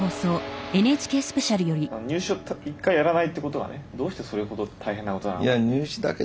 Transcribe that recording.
入試を一回やらないってことがねどうしてそれほど大変なことなのか。